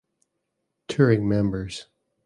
Touring members